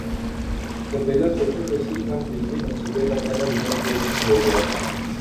تربیلا چوتھے توسیعی پن بجلی منصوبے کا پہلا یونٹ پریشنل ہوگیا